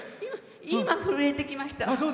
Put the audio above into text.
今、震えてきました。